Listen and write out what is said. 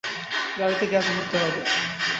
গাড়িতে গ্যাস ভরতে হবে।